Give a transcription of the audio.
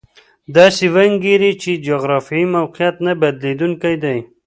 داسې وانګېري چې جغرافیوي موقعیت نه بدلېدونکی دی.